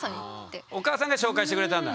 お母さんが紹介してくれたんだ。